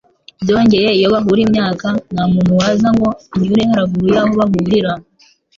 Byongeye iyo bahura imyaka, nta muntu waza ngo anyure haruguru y’aho bahurira